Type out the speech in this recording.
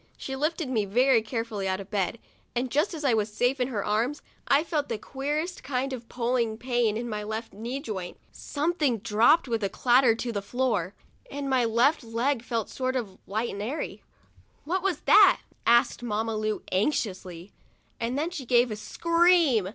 She lifted me very carefully out of bed, and just as I was safe in her arms, I felt the queerest kind of pulling pain in my left knee joint. Something dropped with a clatter to the floor, and my left leg felt sort of light and airy. 70 FRIDAY— MY LEG IS BROKEN AND MENDED 'What was that?" asked Mamma Lu, anxiously, and then she gave a scream.